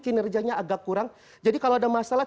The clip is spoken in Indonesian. kinerjanya agak kurang jadi kalau ada masalah